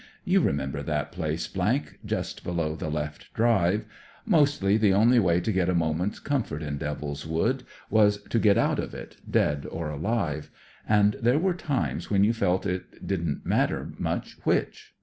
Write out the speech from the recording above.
You remember that place, , just below the left drive. Mostly, the only ^y to get a moment's comfort in Devil's Wood was to get out of it, dead or alive ; wad there were times when you felt it didn't much matter which."